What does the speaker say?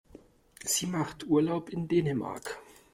Sie macht Urlaub in Dänemark.